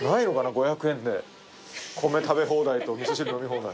５００円で米食べ放題と味噌汁飲み放題。